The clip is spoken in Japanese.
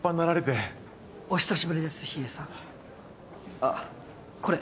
あっこれ。